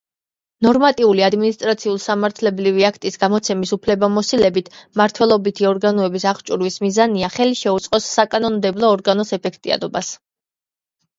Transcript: ნორმატიული ადმინისტრაციულ-სამართლებრივი აქტის გამოცემის უფლებამოსილებით მმართველობის ორგანოების აღჭურვის მიზანია, ხელი შეუწყოს საკანონმდებლო ორგანოს ეფექტიანობას.